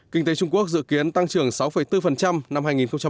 kinh tế trung quốc dự kiến tăng trưởng sáu bốn năm hai nghìn một mươi bảy